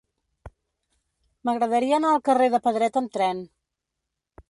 M'agradaria anar al carrer de Pedret amb tren.